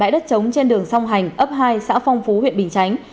đất trống trên đường song hành ấp hai xã phong phú huyện bình chánh